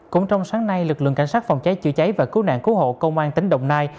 cũng trong sáng nay lực lượng cảnh sát phòng cháy chữa cháy và cứu nạn cứu hộ công an tỉnh đồng nai